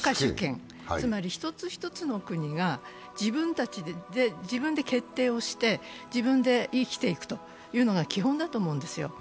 つまり１つ１つの国が自分で決定をして自分で生きていくというのが基本だと思うんですよ。